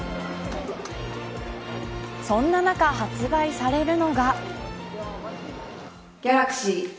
そんな中、発売されるのが。